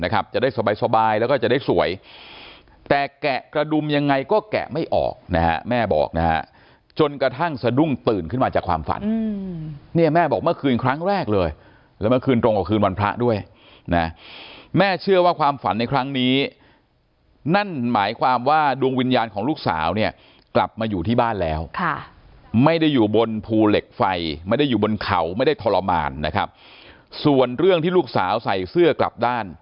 กระดุมยังไงก็แกะไม่ออกนะแม่บอกนะจนกระทั่งสะดุ้งตื่นขึ้นมาจากความฝันเนี่ยแม่บอกเมื่อคืนครั้งแรกเลยแล้วเมื่อคืนตรงกับคืนวันพระด้วยนะแม่เชื่อว่าความฝันในครั้งนี้นั่นหมายความว่าดวงวิญญาณของลูกสาวเนี่ยกลับมาอยู่ที่บ้านแล้วค่ะไม่ได้อยู่บนภูเหล็กไฟไม่ได้อยู่บนเขาไม่ได้ทรมานนะครับ